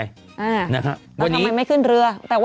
จำนวนได้ไม่เกิน๕๐๐คนนะคะ